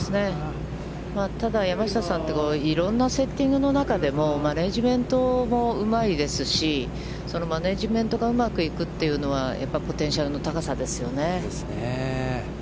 ただ、山下さんは、いろんなセッティングの中でも、マネジメントもうまいですし、そのマネジメントがうまくいくというのは、やっぱりポテンシャルの高さですよね。